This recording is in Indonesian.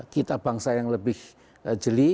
kita bangsa yang lebih jeli